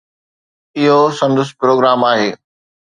اهو سندس پروگرام آهي.